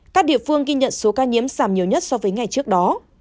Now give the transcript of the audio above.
các địa phương ghi nhận số ca nhiễm giảm nhiều nhất so với ngày trước đó